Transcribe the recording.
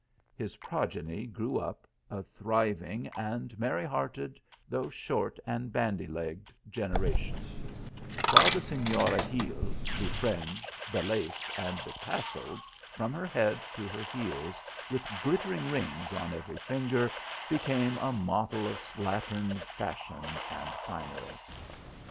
His progeny grew up a thriving and merry hearted, though short and bandy legged generation ; while the Senora Gil, be fringed, be laced, and be tasselled from her head to her heels, with glittering rings on every finger, became a model of slattern fashion and finery.